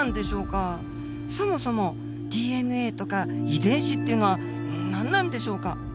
そもそもＤＮＡとか遺伝子っていうのは何なんでしょうか。